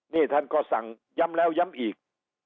นี่ท่านก็สั่งย้ำแล้วย้ำอีก